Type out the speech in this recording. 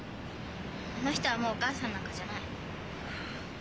あの人はもうお母さんなんかじゃない。